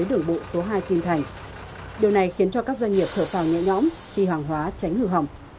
đường bộ số hai kim thành điều này khiến cho các doanh nghiệp thở phà nhẹ nhõm khi hàng hóa tránh hư hỏng